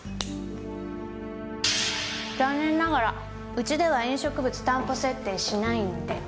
残念ながらうちでは飲食物担保設定しないんで。